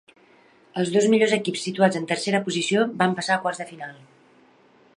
Els dos millors equips situats en tercera posició van passar a quarts de final.